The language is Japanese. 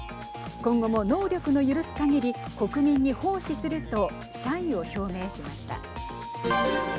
今後も能力の許すかぎり国民に奉仕すると謝意を表明しました。